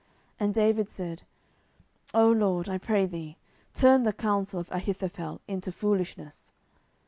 And David said, O LORD, I pray thee, turn the counsel of Ahithophel into foolishness.